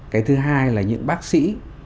cái thứ hai là những bác sĩ